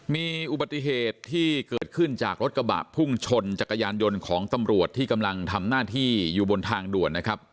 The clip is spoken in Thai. มีอุบัติเหตุที่เกิดขึ้นจากรถกระบะพุ่งชนจักรยานยนต์ของตำรวจที่กำลังทำหน้าที่อยู่บนทางด่วนนะครับ